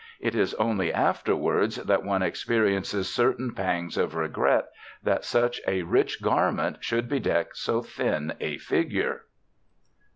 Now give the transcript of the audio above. It is only afterwards that one experiences certain pangs of regret that such a rich garment should bedeck so thin a figure."